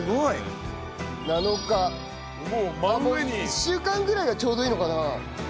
１週間ぐらいがちょうどいいのかな。